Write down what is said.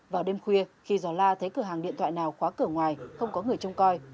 vào đêm khuya khi gió la thấy cửa hàng điện thoại nào khóa cửa ngoài không có người trông coi